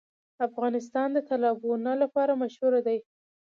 افغانستان د تالابونه لپاره مشهور دی.